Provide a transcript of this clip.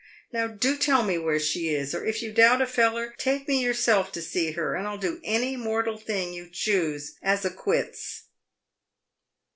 Now, do tell me where she is ; or, if you doubt a feller, take me yourself to see her, and I'll do any mortal thing you choose, as a quits."